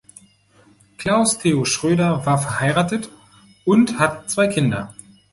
Klaus Theo Schröder war verheiratet und hat zwei Kinder.